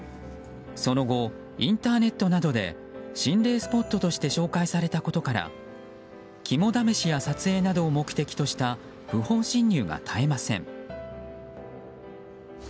その後、インターネットなどで心霊スポットとして紹介されたことから肝試しや撮影などを目的とした不法侵入が絶えません。